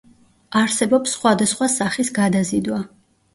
არსებობს სხვადასხვა სახის გადაზიდვა.